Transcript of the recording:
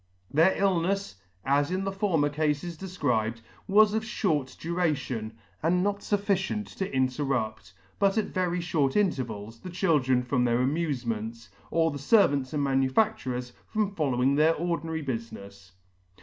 Their illnefs, as in the former Cafes defcribed, was of fhort duration, and not fufficient to interrupt, but at very fhort intervals, the children from their amufements, or the fervants and manufacturers from following their ordinary bufinefs..